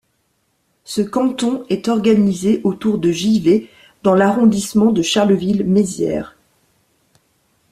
Ce canton est organisé autour de Givet dans l'arrondissement de Charleville-Mézières.